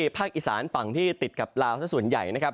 ภาคอีสานฝั่งที่ติดกับลาวสักส่วนใหญ่นะครับ